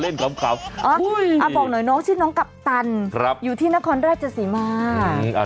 บอกหน่อยน้องชื่อน้องกัปตันอยู่ที่นครราชสีมา